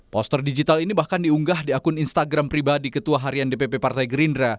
poster digital ini bahkan diunggah di akun instagram pribadi ketua harian dpp partai gerindra